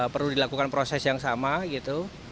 perlu dilakukan proses yang sama gitu